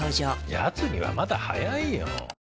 やつにはまだ早いよ。